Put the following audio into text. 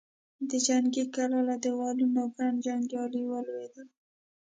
د جنګي کلا له دېوالونو ګڼ جنګيالي ولوېدل.